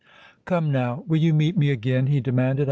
"Come, now—will you meet me again?" he demanded.